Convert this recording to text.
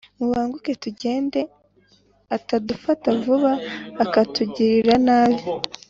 Mubanguke kugenda atadufata vuba akatugirira nabi